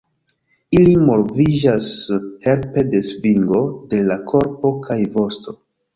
Ili moviĝas helpe de svingo de la korpo kaj vosto.